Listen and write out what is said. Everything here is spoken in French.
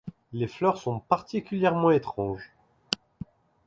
Les fleurs sont particulièrement étranges.